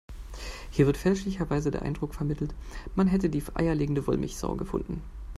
Hier wird fälschlicherweise der Eindruck vermittelt, man hätte die eierlegende Wollmilchsau gefunden.